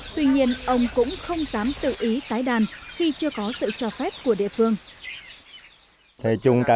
tuy nhiên ông cũng không dám tự ý tái đàn khi chưa có sự cho phép của địa phương